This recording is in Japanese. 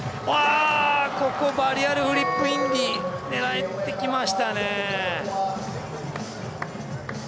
バリアルフリップインディ狙ってきましたね